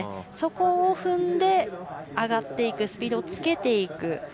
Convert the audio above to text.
そこを踏んで上がっていくスピードをつけていく。